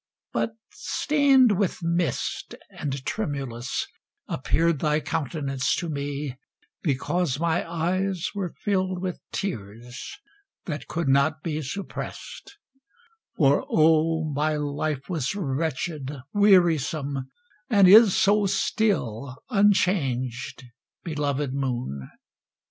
But stained with mist, and tremulous, appeared Thy countenance to me, because my eyes Were filled with tears, that could not be suppressed; For, oh, my life was wretched, wearisome, And is so still, unchanged, belovèd moon!